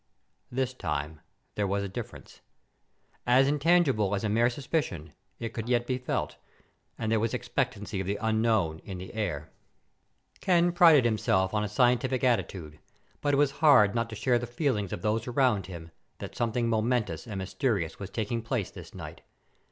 This time there was a difference. As intangible as a mere suspicion, it could yet be felt, and there was the expectancy of the unknown in the air. Ken prided himself on a scientific attitude, but it was hard not to share the feelings of those around him that something momentous and mysterious was taking place this night.